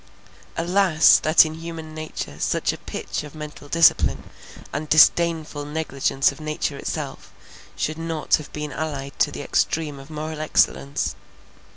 Alas! that in human nature such a pitch of mental discipline, and disdainful negligence of nature itself, should not have been allied to the extreme of moral excellence!